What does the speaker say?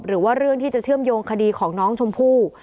หรือว่าเรื่องที่จะเชื่อมโยงคดีของน้องชมพู่